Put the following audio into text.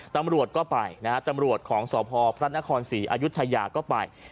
ตำรวจก็ไปนะฮะตำรวจของสพพระนครศรีอายุทยาก็ไป